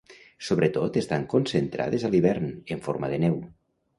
Sobretot estan concentrades a l'hivern, en forma de neu.